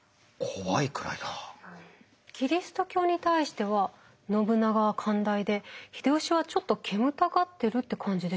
キリスト教に対しては信長は寛大で秀吉はちょっと煙たがってるって感じでしょうか？